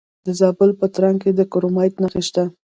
د زابل په ترنک کې د کرومایټ نښې شته.